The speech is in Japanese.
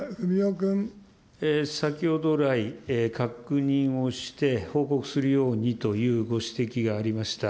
先ほど来、確認をして、報告するようにというご指摘がありました。